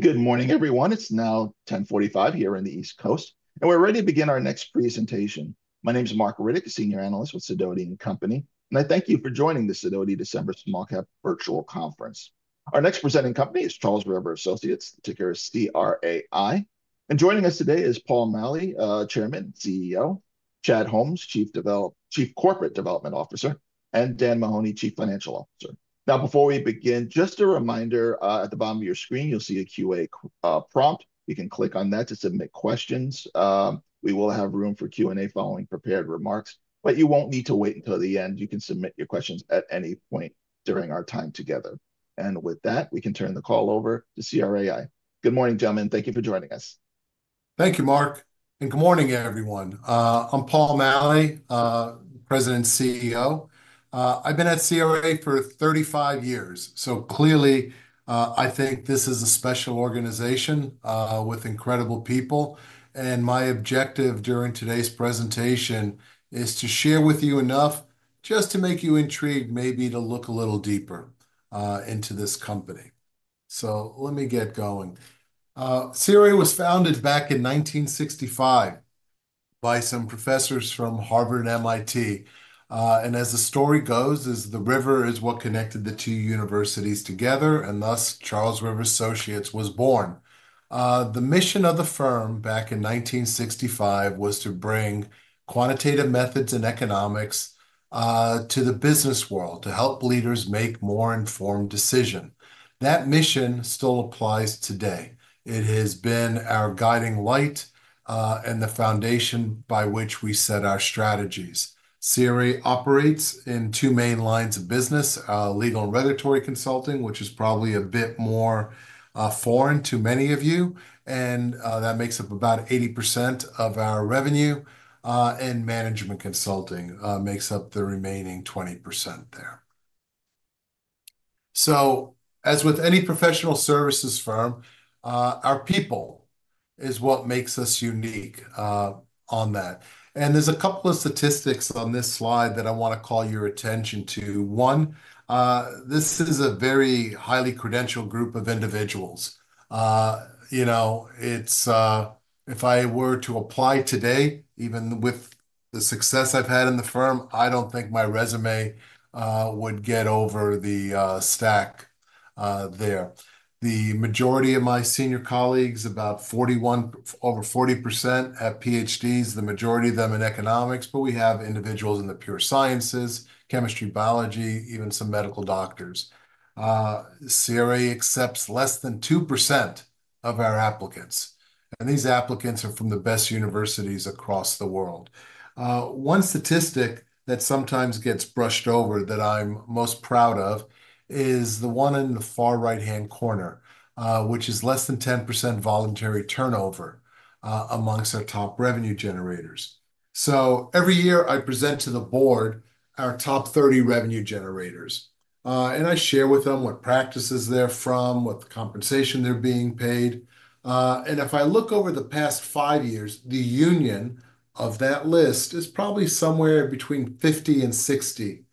Good morning, everyone. It's now 10:45 A.M. here on the East Coast, and we're ready to begin our next presentation. My name is Mark Riddick, Senior Analyst with Sidoti & Company, and I thank you for joining the Sidoti December Small Cap Virtual Conference. Our next presenting company is Charles River Associates, ticker CRAI. And joining us today is Paul Maleh, Chairman and CEO, Chad Holmes, Chief Corporate Development Officer, and Dan Mahoney, Chief Financial Officer. Now, before we begin, just a reminder: at the bottom of your screen, you'll see a QA prompt. You can click on that to submit questions. We will have room for Q&A following prepared remarks, but you won't need to wait until the end. You can submit your questions at any point during our time together. And with that, we can turn the call over to CRAI. Good morning, gentlemen. Thank you for joining us. Thank you, Mark, and good morning, everyone. I'm Paul Maleh, President and CEO. I've been at CRAI for 35 years, so clearly, I think this is a special organization with incredible people. And my objective during today's presentation is to share with you enough just to make you intrigued, maybe to look a little deeper into this company. So let me get going. CRAI was founded back in 1965 by some professors from Harvard and MIT. And as the story goes, the river is what connected the two universities together, and thus Charles River Associates was born. The mission of the firm back in 1965 was to bring quantitative methods and economics to the business world to help leaders make more informed decisions. That mission still applies today. It has been our guiding light and the foundation by which we set our strategies. CRAI operates in two main lines of business: legal and regulatory consulting, which is probably a bit more foreign to many of you, and that makes up about 80% of our revenue, and management consulting makes up the remaining 20% there. So, as with any professional services firm, our people is what makes us unique on that, and there's a couple of statistics on this slide that I want to call your attention to. One, this is a very highly credentialed group of individuals. You know, if I were to apply today, even with the success I've had in the firm, I don't think my resume would get over the stack there. The majority of my senior colleagues, about 41%, over 40% have PhDs, the majority of them in economics, but we have individuals in the pure sciences, chemistry, biology, even some medical doctors. CRAI accepts less than 2% of our applicants, and these applicants are from the best universities across the world. One statistic that sometimes gets brushed over that I'm most proud of is the one in the far right-hand corner, which is less than 10% voluntary turnover among our top revenue generators. So, every year, I present to the board our top 30 revenue generators, and I share with them what practices they're from, what compensation they're being paid. And if I look over the past five years, the union of that list is probably somewhere between 50 and 60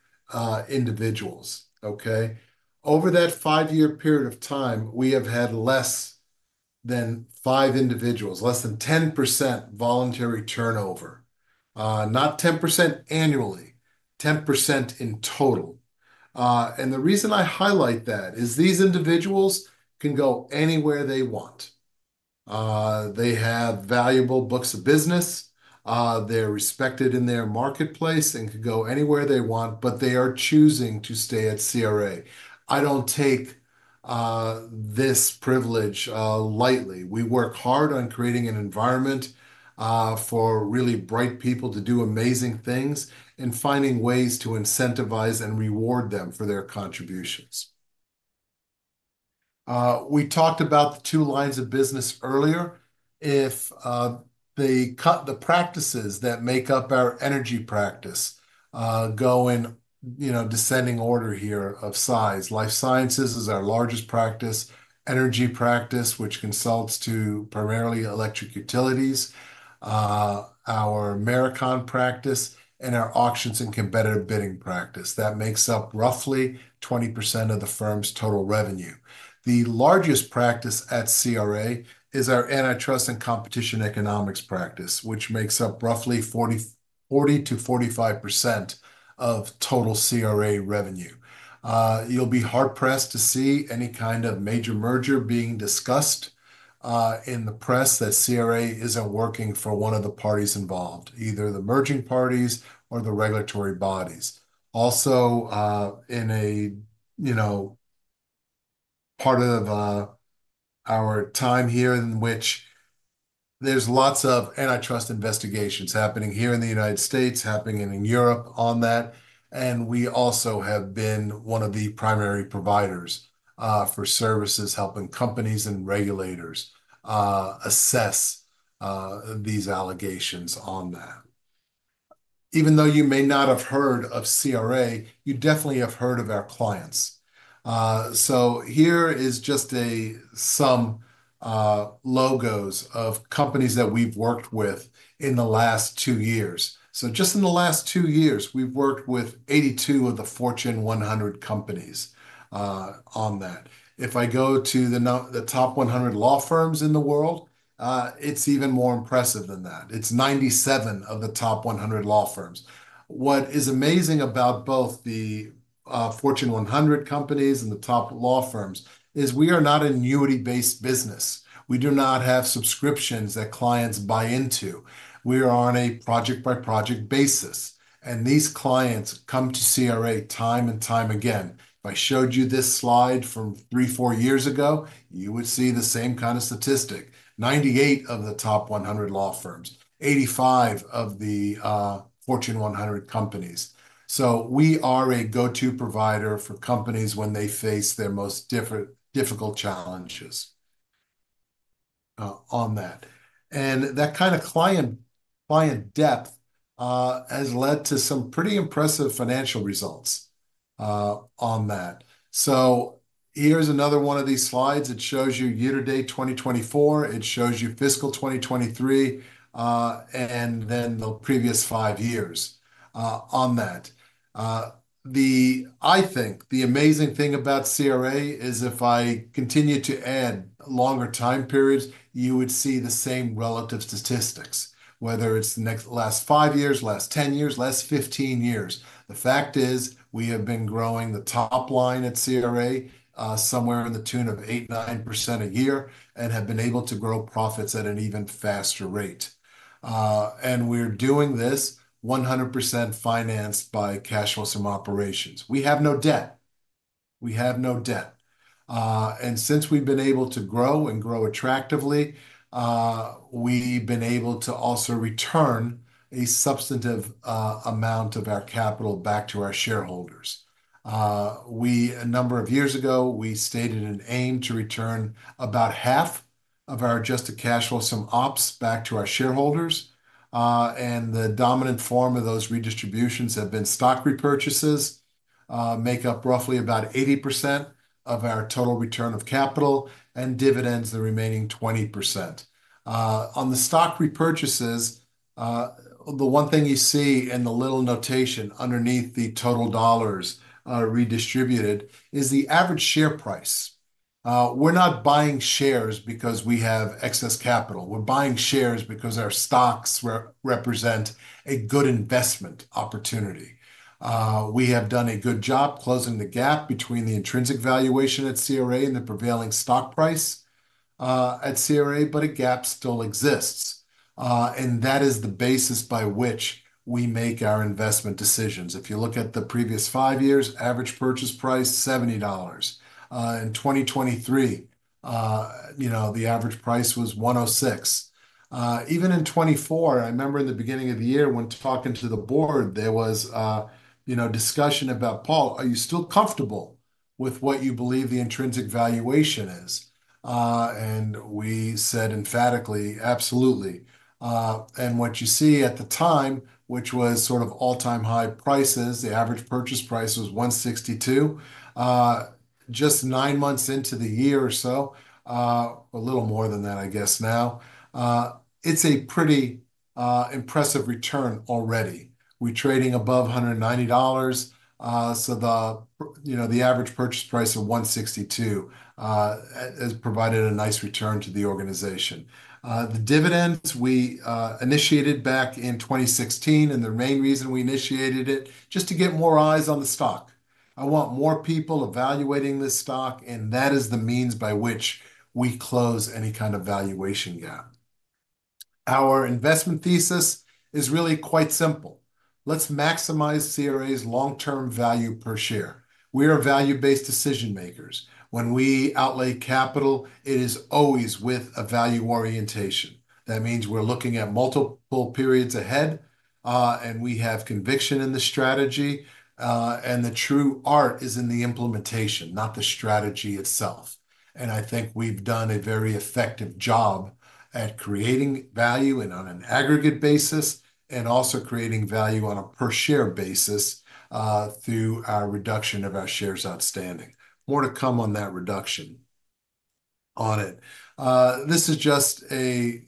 individuals. Okay? Over that five-year period of time, we have had less than five individuals, less than 10% voluntary turnover, not 10% annually, 10% in total. And the reason I highlight that is these individuals can go anywhere they want. They have valuable books of business. They're respected in their marketplace and can go anywhere they want, but they are choosing to stay at CRAI. I don't take this privilege lightly. We work hard on creating an environment for really bright people to do amazing things and finding ways to incentivize and reward them for their contributions. We talked about the two lines of business earlier. If they cut the practices that make up our energy practice, go in descending order here of size, life sciences is our largest practice, energy practice, which consults to primarily electric utilities, our Marakon practice, and our auctions and competitive bidding practice. That makes up roughly 20% of the firm's total revenue. The largest practice at CRAI is our antitrust and competition economics practice, which makes up roughly 40%-45% of total CRAI revenue. You'll be hard-pressed to see any kind of major merger being discussed in the press that CRAI isn't working for one of the parties involved, either the merging parties or the regulatory bodies. Also, in a part of our time here in which there's lots of antitrust investigations happening here in the United States, happening in Europe on that, and we also have been one of the primary providers for services helping companies and regulators assess these allegations on that. Even though you may not have heard of CRAI, you definitely have heard of our clients, so here is just some logos of companies that we've worked with in the last two years, so just in the last two years, we've worked with 82 of the Fortune 100 companies on that. If I go to the top 100 law firms in the world, it's even more impressive than that. It's 97 of the top 100 law firms. What is amazing about both the Fortune 100 companies and the top law firms is we are not an annuity-based business. We do not have subscriptions that clients buy into. We are on a project-by-project basis. And these clients come to CRAI time and time again. If I showed you this slide from three, four years ago, you would see the same kind of statistic: 98 of the top 100 law firms, 85 of the Fortune 100 companies. So we are a go-to provider for companies when they face their most difficult challenges on that. And that kind of client depth has led to some pretty impressive financial results on that. So here's another one of these slides. It shows you year-to-date 2024. It shows you fiscal 2023, and then the previous five years on that. I think the amazing thing about CRAI is if I continue to add longer time periods, you would see the same relative statistics, whether it's the last five years, last 10 years, last 15 years. The fact is we have been growing the top line at CRAI somewhere in the tune of 8%, 9% a year and have been able to grow profits at an even faster rate, and we're doing this 100% financed by cash flow from operations. We have no debt. We have no debt, and since we've been able to grow and grow attractively, we've been able to also return a substantive amount of our capital back to our shareholders. A number of years ago, we stated an aim to return about half of our adjusted cash flow from ops back to our shareholders. And the dominant form of those redistributions have been stock repurchases, make up roughly about 80% of our total return of capital, and dividends, the remaining 20%. On the stock repurchases, the one thing you see in the little notation underneath the total dollars redistributed is the average share price. We're not buying shares because we have excess capital. We're buying shares because our stocks represent a good investment opportunity. We have done a good job closing the gap between the intrinsic valuation at CRAI and the prevailing stock price at CRAI, but a gap still exists. And that is the basis by which we make our investment decisions. If you look at the previous five years, average purchase price $70. In 2023, the average price was $106. Even in 2024, I remember in the beginning of the year when talking to the board, there was discussion about, "Paul, are you still comfortable with what you believe the intrinsic valuation is?" and we said emphatically, "Absolutely," and what you see at the time, which was sort of all-time high prices, the average purchase price was $162. Just nine months into the year or so, a little more than that, I guess now, it's a pretty impressive return already. We're trading above $190, so the average purchase price of $162 has provided a nice return to the organization. The dividends we initiated back in 2016, and the main reason we initiated it, just to get more eyes on the stock. I want more people evaluating this stock, and that is the means by which we close any kind of valuation gap. Our investment thesis is really quite simple. Let's maximize CRAI's long-term value per share. We are value-based decision-makers. When we outlay capital, it is always with a value orientation. That means we're looking at multiple periods ahead, and we have conviction in the strategy, and the true art is in the implementation, not the strategy itself, and I think we've done a very effective job at creating value on an aggregate basis and also creating value on a per-share basis through our reduction of our shares outstanding. More to come on that reduction on it. This is just an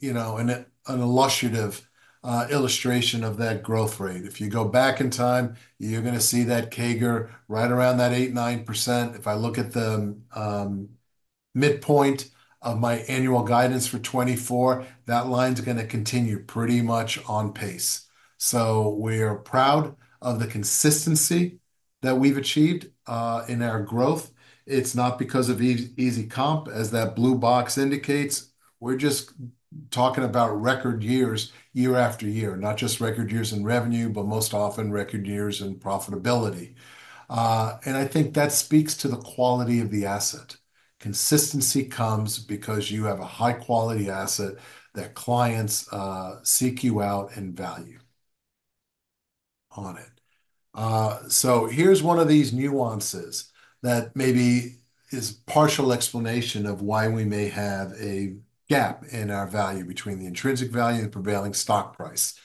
illustration of that growth rate. If you go back in time, you're going to see that CAGR right around that 8%, 9%. If I look at the midpoint of my annual guidance for 2024, that line's going to continue pretty much on pace, so we are proud of the consistency that we've achieved in our growth. It's not because of easy comp, as that blue box indicates. We're just talking about record years year after year, not just record years in revenue, but most often record years in profitability. And I think that speaks to the quality of the asset. Consistency comes because you have a high-quality asset that clients seek you out and value on it. So here's one of these nuances that maybe is partial explanation of why we may have a gap in our value between the intrinsic value and prevailing stock price.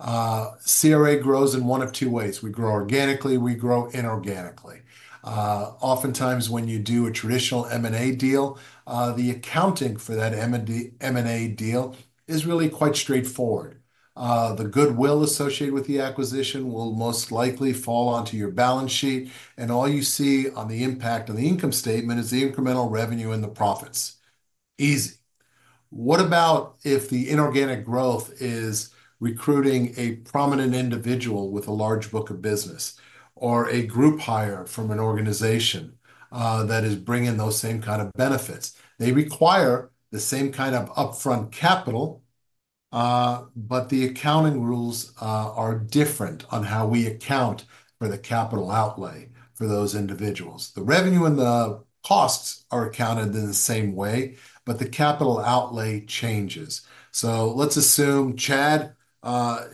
CRAI grows in one of two ways. We grow organically. We grow inorganically. Oftentimes, when you do a traditional M&A deal, the accounting for that M&A deal is really quite straightforward. The goodwill associated with the acquisition will most likely fall onto your balance sheet, and all you see on the impact of the income statement is the incremental revenue and the profits. Easy. What about if the inorganic growth is recruiting a prominent individual with a large book of business or a group hire from an organization that is bringing those same kind of benefits? They require the same kind of upfront capital, but the accounting rules are different on how we account for the capital outlay for those individuals. The revenue and the costs are accounted in the same way, but the capital outlay changes. So let's assume Chad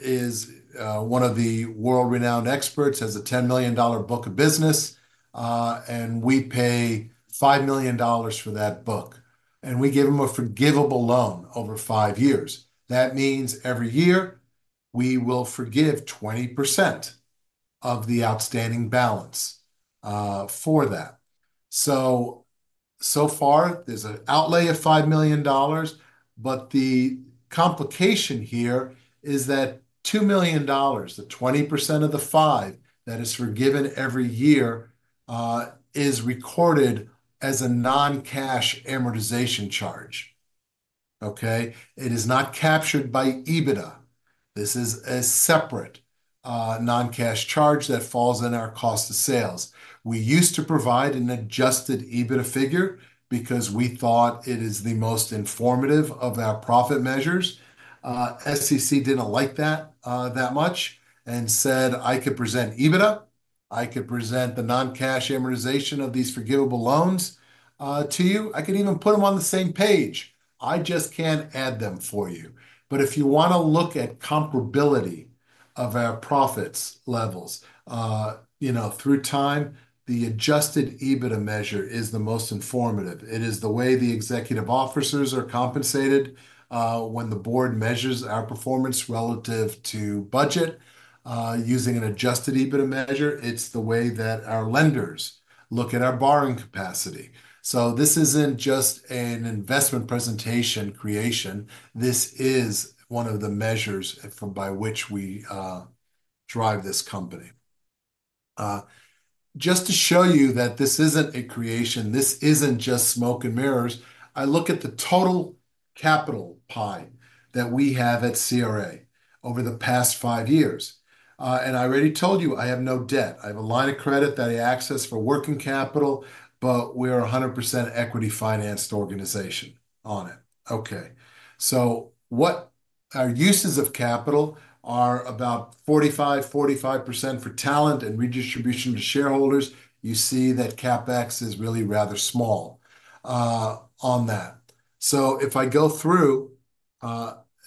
is one of the world-renowned experts, has a $10 million book of business, and we pay $5 million for that book. And we give him a forgivable loan over five years. That means every year we will forgive 20% of the outstanding balance for that. So far, there's an outlay of $5 million, but the complication here is that $2 million, the 20% of the five that is forgiven every year, is recorded as a non-cash amortization charge. Okay? It is not captured by EBITDA. This is a separate non-cash charge that falls in our cost of sales. We used to provide an adjusted EBITDA figure because we thought it is the most informative of our profit measures. SEC didn't like that that much and said, "I could present EBITDA. I could present the non-cash amortization of these forgivable loans to you. I could even put them on the same page. I just can't add them for you." But if you want to look at comparability of our profits levels through time, the adjusted EBITDA measure is the most informative. It is the way the executive officers are compensated when the board measures our performance relative to budget using an Adjusted EBITDA measure. It's the way that our lenders look at our borrowing capacity. So this isn't just an investment presentation creation. This is one of the measures by which we drive this company. Just to show you that this isn't a creation, this isn't just smoke and mirrors. I look at the total capital pie that we have at CRAI over the past five years, and I already told you I have no debt. I have a line of credit that I access for working capital, but we are a 100% equity-financed organization on it. Okay, so our uses of capital are about 45, 45% for talent and redistribution to shareholders. You see that CapEx is really rather small on that. So if I go through,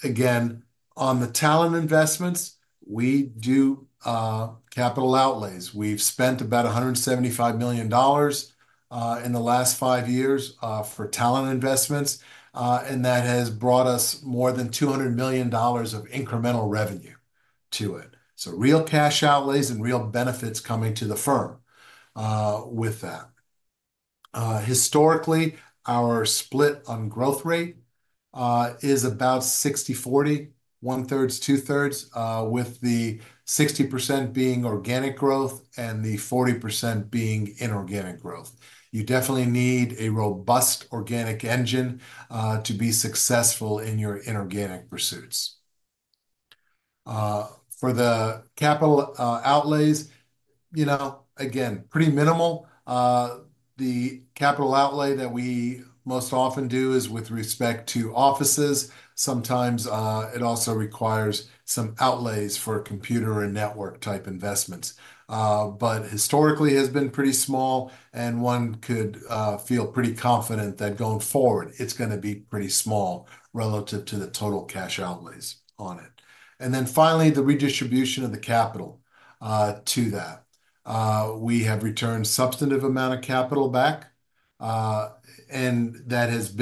again, on the talent investments, we do capital outlays. We've spent about $175 million in the last five years for talent investments, and that has brought us more than $200 million of incremental revenue to it. So real cash outlays and real benefits coming to the firm with that. Historically, our split on growth rate is about 60/40, one-thirds, two-thirds, with the 60% being organic growth and the 40% being inorganic growth. You definitely need a robust organic engine to be successful in your inorganic pursuits. For the capital outlays, again, pretty minimal. The capital outlay that we most often do is with respect to offices. Sometimes it also requires some outlays for computer and network-type investments. But historically, it has been pretty small, and one could feel pretty confident that going forward, it's going to be pretty small relative to the total cash outlays on it. And then finally, the redistribution of the capital to that. We have returned a substantive amount of capital back, and that has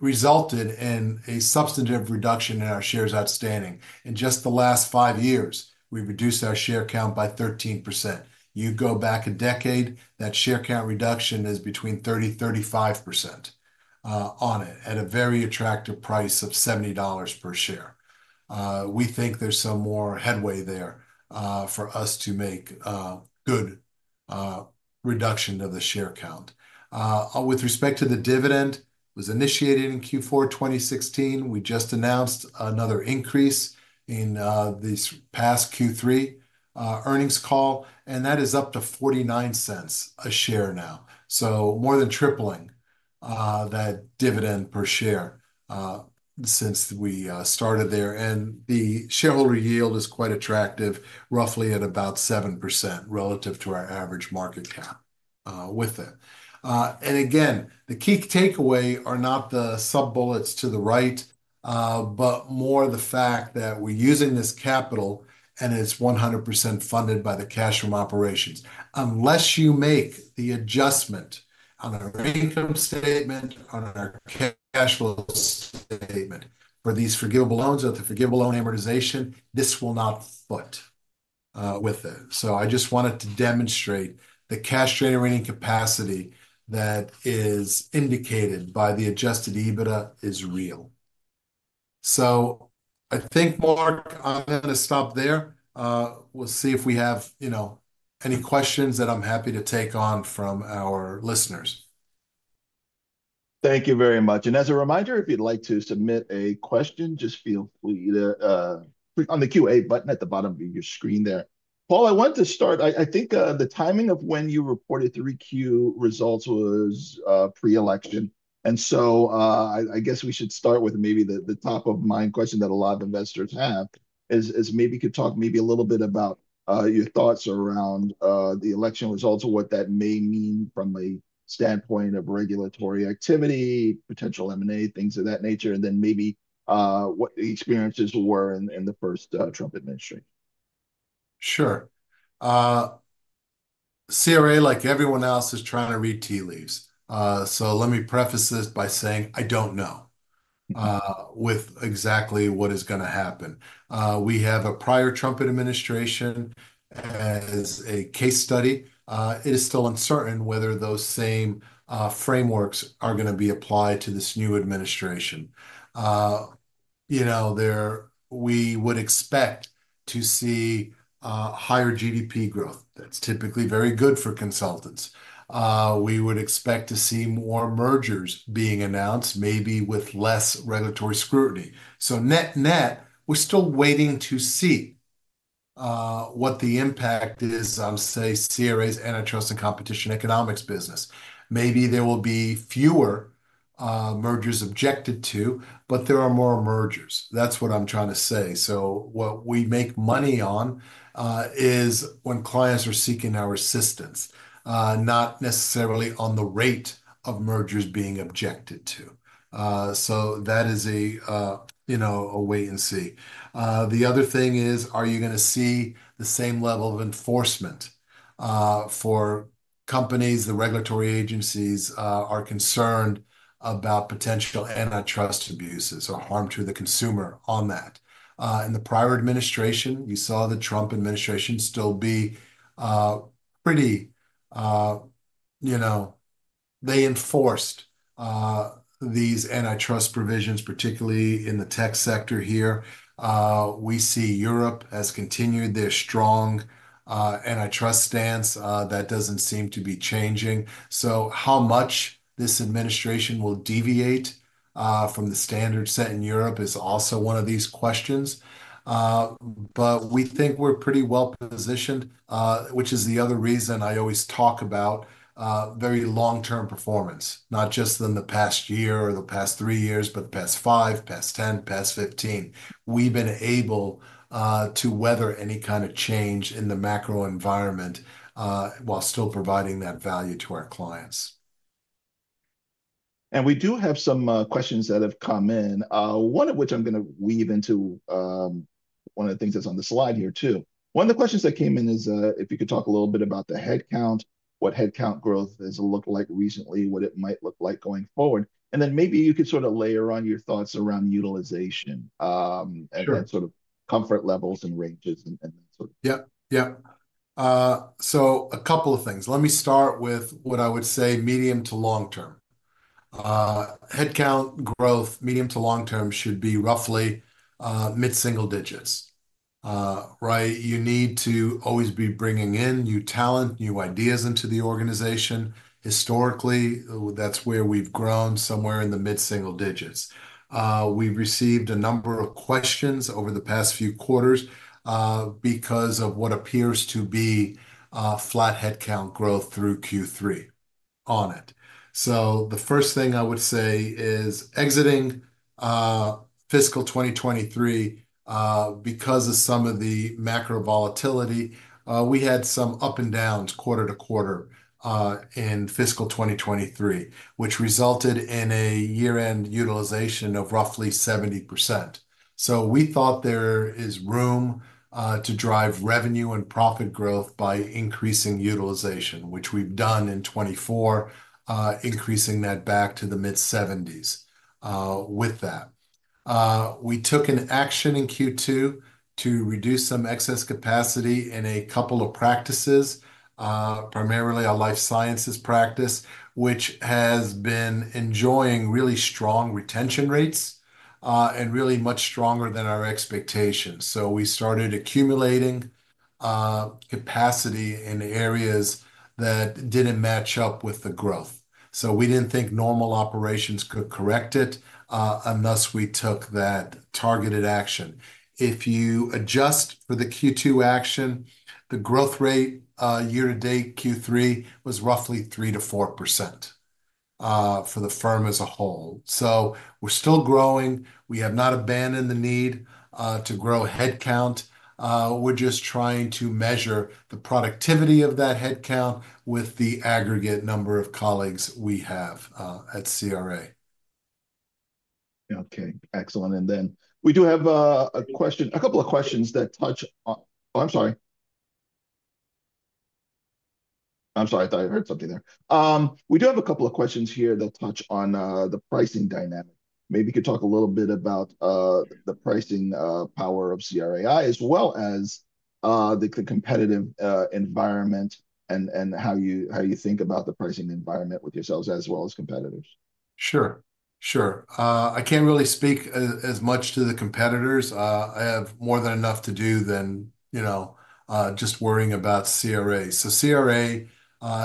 resulted in a substantive reduction in our shares outstanding. In just the last five years, we've reduced our share count by 13%. You go back a decade, that share count reduction is between 30% and 35% on it at a very attractive price of $70 per share. We think there's some more headway there for us to make a good reduction of the share count. With respect to the dividend, it was initiated in Q4 2016. We just announced another increase in this past Q3 earnings call, and that is up to $0.49 a share now. So more than tripling that dividend per share since we started there. And the shareholder yield is quite attractive, roughly at about 7% relative to our average market cap with it. And again, the key takeaway are not the sub-bullets to the right, but more the fact that we're using this capital, and it's 100% funded by the cash from operations. Unless you make the adjustment on our income statement, on our cash flow statement for these forgivable loans or the forgivable loan amortization, this will not foot with it. So I just wanted to demonstrate the cash generating capacity that is indicated by the Adjusted EBITDA is real. So I think, Mark, I'm going to stop there. We'll see if we have any questions that I'm happy to take on from our listeners. Thank you very much. As a reminder, if you'd like to submit a question, just feel free to click on the QA button at the bottom of your screen there. Paul, I wanted to start. I think the timing of when you reported the 3Q results was pre-election. So I guess we should start with maybe the top-of-mind question that a lot of investors have, is maybe you could talk maybe a little bit about your thoughts around the election results or what that may mean from a standpoint of regulatory activity, potential M&A, things of that nature, and then maybe what the experiences were in the first Trump administration. Sure. CRA, like everyone else, is trying to read tea leaves. Let me preface this by saying I don't know exactly what is going to happen. We have a prior Trump administration as a case study. It is still uncertain whether those same frameworks are going to be applied to this new administration. We would expect to see higher GDP growth. That's typically very good for consultants. We would expect to see more mergers being announced, maybe with less regulatory scrutiny. So net net, we're still waiting to see what the impact is on, say, CRA's antitrust and competition economics business. Maybe there will be fewer mergers objected to, but there are more mergers. That's what I'm trying to say. So what we make money on is when clients are seeking our assistance, not necessarily on the rate of mergers being objected to. So that is a wait and see. The other thing is, are you going to see the same level of enforcement for companies the regulatory agencies are concerned about potential antitrust abuses or harm to the consumer on that? In the prior administration, you saw the Trump administration still be pretty, they enforced these antitrust provisions, particularly in the tech sector here. We see Europe has continued their strong antitrust stance. That doesn't seem to be changing, so how much this administration will deviate from the standard set in Europe is also one of these questions, but we think we're pretty well positioned, which is the other reason I always talk about very long-term performance, not just in the past year or the past three years, but the past five, past ten, past fifteen. We've been able to weather any kind of change in the macro environment while still providing that value to our clients, and we do have some questions that have come in, one of which I'm going to weave into one of the things that's on the slide here too. One of the questions that came in is if you could talk a little bit about the headcount, what headcount growth has looked like recently, what it might look like going forward. And then maybe you could sort of layer on your thoughts around utilization and sort of comfort levels and ranges and that sort of thing. Yep. Yep. So a couple of things. Let me start with what I would say medium to long-term. Headcount growth medium to long-term should be roughly mid-single digits, right? You need to always be bringing in new talent, new ideas into the organization. Historically, that's where we've grown somewhere in the mid-single digits. We've received a number of questions over the past few quarters because of what appears to be flat headcount growth through Q3 on it. So the first thing I would say is exiting fiscal 2023 because of some of the macro volatility. We had some ups and downs quarter to quarter in fiscal 2023, which resulted in a year-end utilization of roughly 70%. So we thought there is room to drive revenue and profit growth by increasing utilization, which we've done in 2024, increasing that back to the mid-70s with that. We took an action in Q2 to reduce some excess capacity in a couple of practices, primarily a life sciences practice, which has been enjoying really strong retention rates and really much stronger than our expectations. So we started accumulating capacity in areas that didn't match up with the growth. So we didn't think normal operations could correct it. And thus, we took that targeted action. If you adjust for the Q2 action, the growth rate year-to-date Q3 was roughly 3%-4% for the firm as a whole. So we're still growing. We have not abandoned the need to grow headcount. We're just trying to measure the productivity of that headcount with the aggregate number of colleagues we have at CRA. Okay. Excellent. And then we do have a question, a couple of questions that touch, oh, I'm sorry. I'm sorry. I thought I heard something there. We do have a couple of questions here that touch on the pricing dynamic. Maybe you could talk a little bit about the pricing power of CRAI, as well as the competitive environment and how you think about the pricing environment with yourselves as well as competitors. Sure. Sure. I can't really speak as much to the competitors. I have more than enough to do than just worrying about CRA. So CRA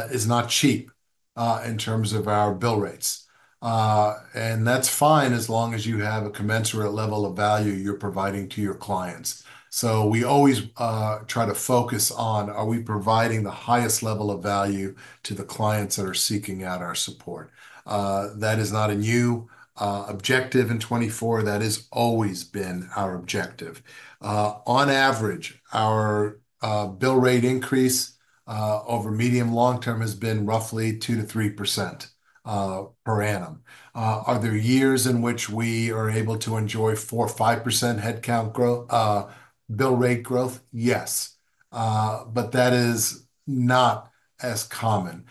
is not cheap in terms of our bill rates. And that's fine as long as you have a commensurate level of value you're providing to your clients. So we always try to focus on, are we providing the highest level of value to the clients that are seeking out our support? That is not a new objective in 2024. That has always been our objective. On average, our bill rate increase over medium-long term has been roughly 2%-3% per annum. Are there years in which we are able to enjoy 4%-5% headcount bill rate growth? Yes. But that is not as common.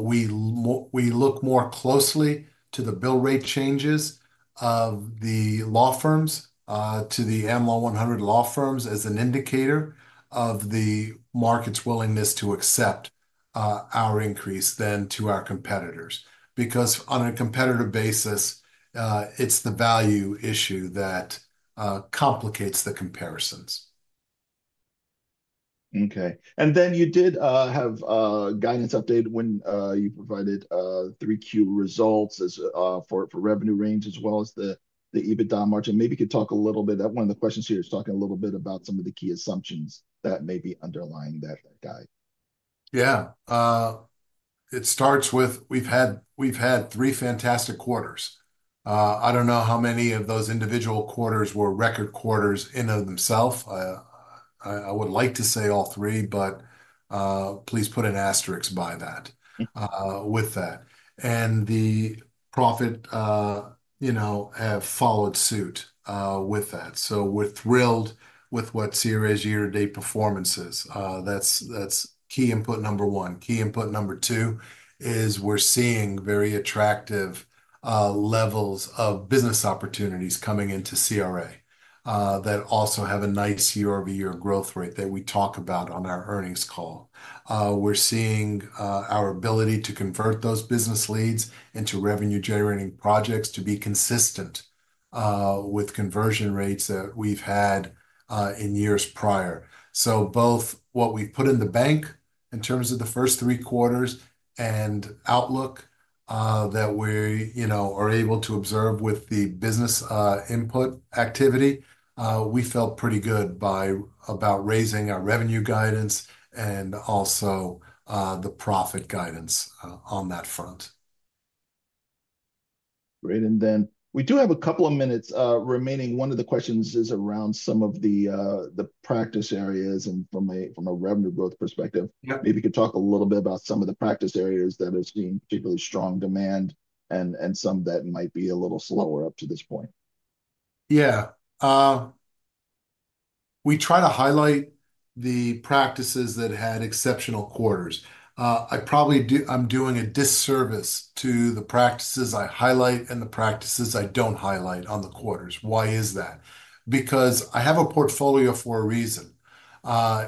We look more closely to the bill rate changes of the law firms, to the Am Law 100 law firms as an indicator of the market's willingness to accept our increase than to our competitors. Because on a competitor basis, it's the value issue that complicates the comparisons. Okay. And then you did have a guidance update when you provided 3Q results for revenue range as well as the EBITDA margin. Maybe you could talk a little bit. One of the questions here is talking a little bit about some of the key assumptions that may be underlying that guide. Yeah. It starts with we've had three fantastic quarters. I don't know how many of those individual quarters were record quarters in and of themselves. I would like to say all three, but please put an asterisk by that with that. And the profit have followed suit with that. So we're thrilled with what CRA's year-to-date performance is. That's key input number one. Key input number two is we're seeing very attractive levels of business opportunities coming into CRA that also have a nice year-over-year growth rate that we talk about on our earnings call. We're seeing our ability to convert those business leads into revenue-generating projects to be consistent with conversion rates that we've had in years prior. So both what we've put in the bank in terms of the first three quarters and outlook that we are able to observe with the business input activity, we felt pretty good about raising our revenue guidance and also the profit guidance on that front. Great. And then we do have a couple of minutes remaining. One of the questions is around some of the practice areas from a revenue growth perspective. Maybe you could talk a little bit about some of the practice areas that have seen particularly strong demand and some that might be a little slower up to this point. Yeah. We try to highlight the practices that had exceptional quarters. I'm doing a disservice to the practices I highlight and the practices I don't highlight on the quarters. Why is that? Because I have a portfolio for a reason.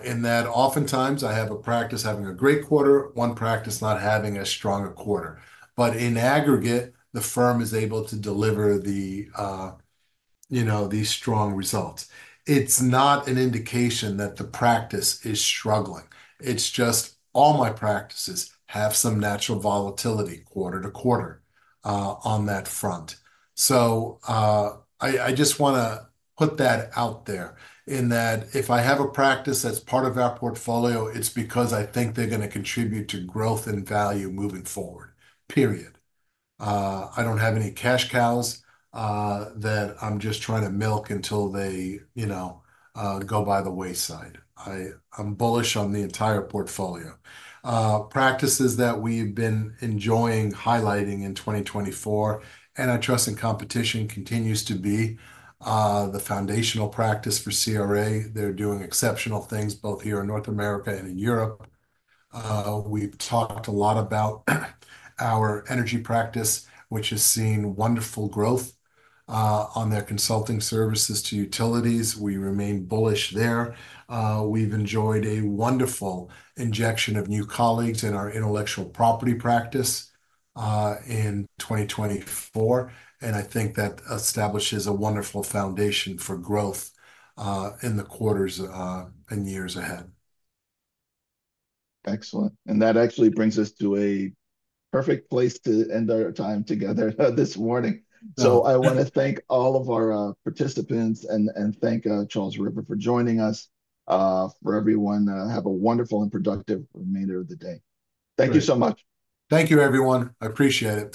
In that, oftentimes, I have a practice having a great quarter, one practice not having a stronger quarter. But in aggregate, the firm is able to deliver these strong results. It's not an indication that the practice is struggling. It's just all my practices have some natural volatility quarter to quarter on that front. So I just want to put that out there in that if I have a practice that's part of our portfolio, it's because I think they're going to contribute to growth and value moving forward, period. I don't have any cash cows that I'm just trying to milk until they go by the wayside. I'm bullish on the entire portfolio. Practices that we've been enjoying highlighting in 2024, antitrust and competition continues to be the foundational practice for CRA. They're doing exceptional things both here in North America and in Europe. We've talked a lot about our energy practice, which has seen wonderful growth on their consulting services to utilities. We remain bullish there. We've enjoyed a wonderful injection of new colleagues in our intellectual property practice in 2024. And I think that establishes a wonderful foundation for growth in the quarters and years ahead. Excellent. And that actually brings us to a perfect place to end our time together this morning. So I want to thank all of our participants and thank Charles River for joining us. For everyone, have a wonderful and productive remainder of the day. Thank you so much. Thank you, everyone. I appreciate it.